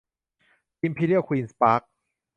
อิมพีเรียลควีนส์ปาร์ค